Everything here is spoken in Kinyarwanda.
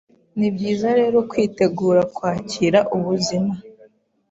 ni byiza rero kwitegura kwakira ubuzima